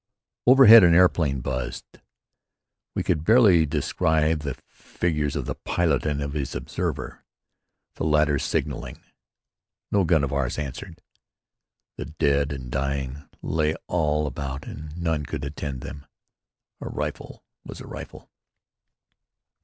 Overhead an aeroplane buzzed. We could even descry the figures of the pilot and his observer, the latter signaling. No gun of ours answered. The dead and dying lay all about and none could attend them: A rifle was a rifle.